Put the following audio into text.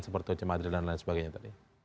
seperti hoce madri dan lain sebagainya tadi